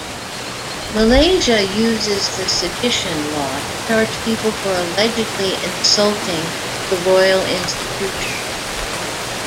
Malaysia uses the sedition law to charge people for allegedly insulting the royal institution.